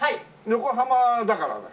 横浜だからだ？